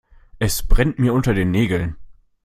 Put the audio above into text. Es brennt mir unter den Nägeln.